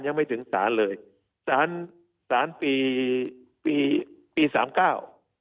ยังไม่ถึงศาลเลยสารสารปีปีสามเก้า